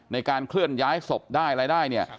ในการเคลื่อนย้ายศพได้รายได้เนี่ย